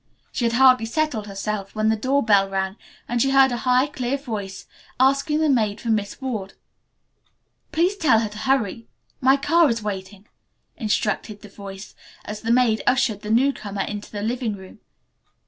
She had hardly settled herself when the door bell rang and she heard a high, clear voice asking the maid for Miss Ward. "Please tell her to hurry, my car is waiting," instructed the voice, as the maid ushered the newcomer into the living room.